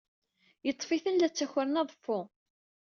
Yeḍḍef-iten la ttakren aḍeffu.